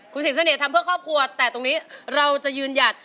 คุณสิงเสน่ห์ทำเพื่อครอบครัวแต่ตรงนี้เราจะยืนหยัด